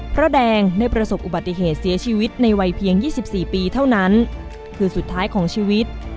พระแดงได้ประสบอุบัติเหตุเสียชีวิตในวัยเพียง๒๔ปีเท่านั้นคือสุดท้ายของชีวิต